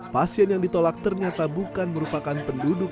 pasien yang ditolak ternyata bukan merupakan pasien yang dihendaki